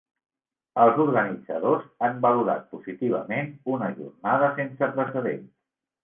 Els organitzadors han valorat positivament una jornada ‘sense precedents’.